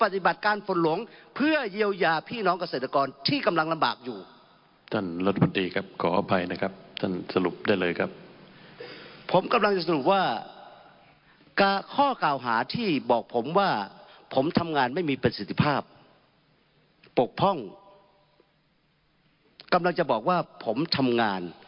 สี่สิบห้าจังหวัด